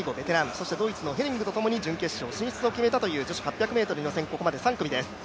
そしてドイツのヘリングとともに準決勝進出を決めた女子８００ｍ予選、ここまで３組です。